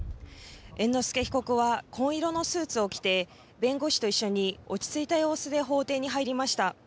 猿之助被告は紺色のスーツを着て弁護士と一緒に落ち着いた様子で法廷に入りました。